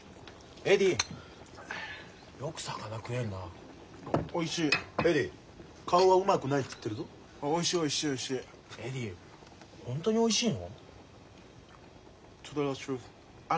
エディ本当においしいの？